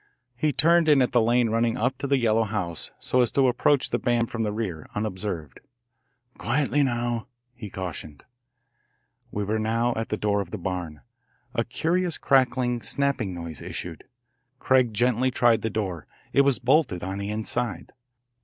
He turned in at the lane running up to the yellow house, so as to approach the barn from the rear, unobserved. "Quietly, now," he cautioned. We were now at the door of the barn. A curious crackling, snapping noise issued. Craig gently tried the door. It was bolted on the inside.